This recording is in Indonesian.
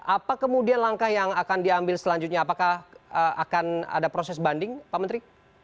apa kemudian langkah yang akan diambil selanjutnya apakah akan ada proses banding pak menteri